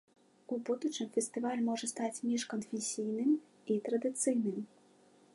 У будучым фестываль можа стаць міжканфесійным і традыцыйным.